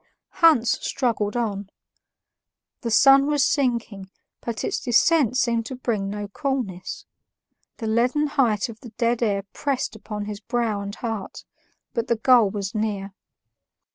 Hans struggled on. The sun was sinking, but its descent seemed to bring no coolness; the leaden height of the dead air pressed upon his brow and heart, but the goal was near.